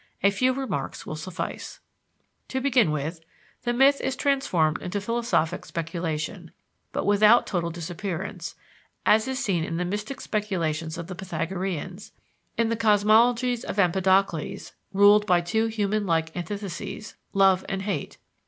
A few remarks will suffice. To begin with, the myth is transformed into philosophic speculation, but without total disappearance, as is seen in the mystic speculations of the Pythagoreans, in the cosmology of Empedocles, ruled by two human like antitheses, Love and Hate.